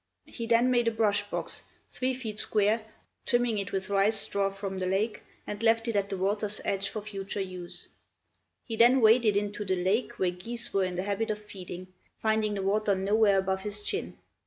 He then made a brush box, three feet square, trimming it with rice straw from the lake and left it at the water's edge for future use. He then waded into the lake where geese were in the habit of feeding, finding the water nowhere above his chin.